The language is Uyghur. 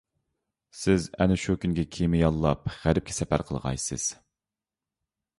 سىز ئەنە شۇ كۈنگە كېمە ياللاپ غەربكە سەپەر قىلغايسىز.